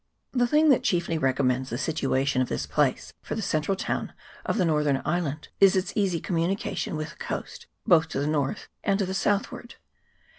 The thing that chiefly recommends the situation of this place for the central town of the northern island is its easy communication with the coast, both to the north and to the southward.